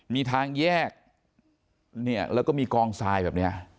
มีทางแยกเนี่ยแล้วก็มีกองทรายแบบนี้